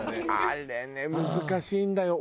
あれね難しいんだよ。